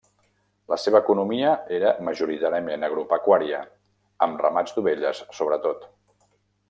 La seva economia era majoritàriament agropecuària, amb ramats d'ovelles sobretot.